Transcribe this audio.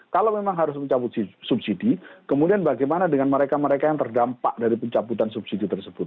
kalau memang harus mencabut subsidi kemudian bagaimana dengan mereka mereka yang terdampak dari pencabutan subsidi tersebut